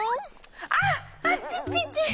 あっあっちちち！